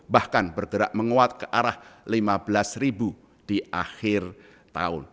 bahkan bergerak menguat ke arah lima belas ribu di akhir tahun